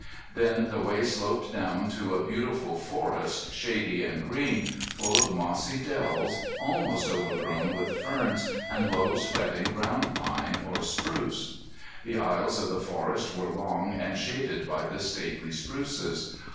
Then the way sloped down to a beautiful forest, shady and green, full of mossy dells, almost overgrown with ferns and low spreading ground pine or spruce. The aisles of the forest were long and shaded by the stately spruces.